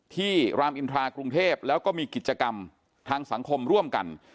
รามอินทรากรุงเทพแล้วก็มีกิจกรรมทางสังคมร่วมกัน